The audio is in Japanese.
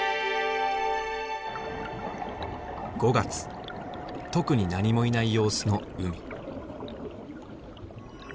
５月特に何もいない様子の海。